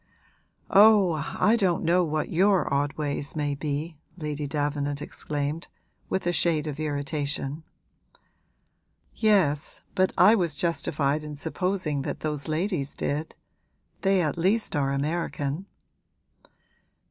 'Oh, I don't know what your odd ways may be!' Lady Davenant exclaimed, with a shade of irritation. 'Yes, but I was justified in supposing that those ladies did: they at least are American.'